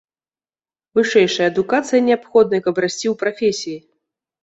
Вышэйшая адукацыя неабходная, каб расці ў прафесіі.